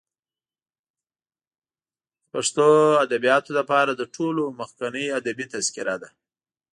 د پښتو ادبیاتو لپاره تر ټولو مخکنۍ ادبي تذکره ده.